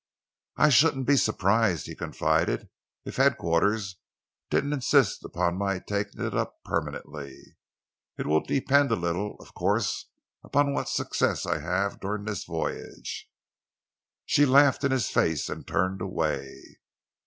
"I shouldn't be surprised," he confided, "if headquarters didn't insist upon my taking it up permanently. It will depend a little, of course, upon what success I have during this voyage." She laughed in his face and turned away.